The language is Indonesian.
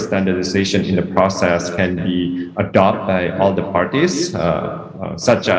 standar di proses ini dapat dilakukan oleh semua partai seperti nsiccs